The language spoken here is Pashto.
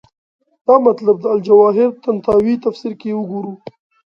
دا مطلب د الجواهر طنطاوي تفسیر کې وګورو.